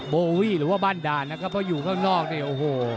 โบวี่หรือว่าบ้านด่านนะครับเพราะอยู่ข้างนอกเนี่ยโอ้โห